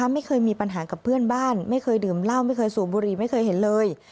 ไม่เคยมีปัญหากับเพื่อนบ้านไม่เคยดื่มเหล้าไม่เคยสูบบุหรี่ไม่เคยเห็นเลย